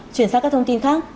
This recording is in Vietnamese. chuyển sang các thông tin khác